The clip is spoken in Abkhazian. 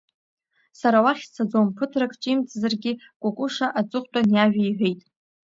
Сара уахь сцаӡом, ԥыҭрак ҿимҭзаргьы, Кәыкәыша аҵыхәтәан иажәа иҳәеит.